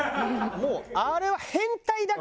もうあれは変態だから！